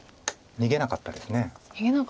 逃げなかったですか。